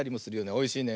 おいしいね。